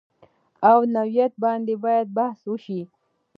او نوعیت باندې باید بحث وشي